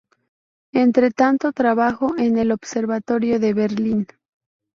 Entretanto, trabajó en el Observatorio de Berlín.